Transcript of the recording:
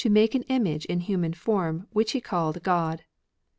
make an image in human form, which he called God.